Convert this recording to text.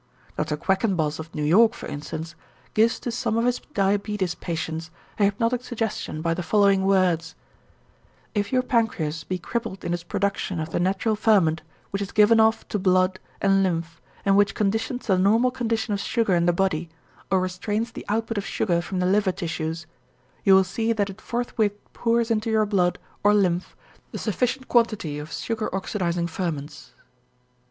Dr. Quackenbos of New York, for instance, gives to some of his diabetes patients a hypnotic suggestion by the following words: "If your pancreas be crippled in its production of the natural ferment which is given off to blood and lymph and which conditions the normal condition of sugar in the body or restrains the output of sugar from the liver tissues, you will see that it forthwith pours into your blood or lymph the sufficient quantity of sugar oxidizing ferments."